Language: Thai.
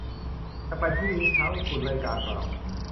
เราจะไปพรุ่งนี้เช้า หุ่นไล่กากล่าว